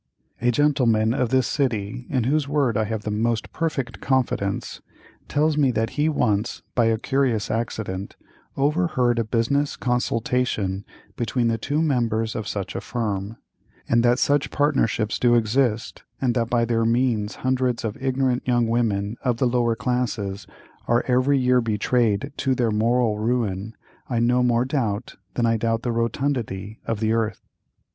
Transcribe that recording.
A gentleman of this city, in whose word I have the most perfect confidence, tells me that he once, by a curious accident, overheard a business consultation between the two members of such a firm; and that such partnerships do exist, and that by their means hundreds of ignorant young women, of the lower classes, are every year betrayed to their moral ruin, I no more doubt than I doubt the rotundity of the earth.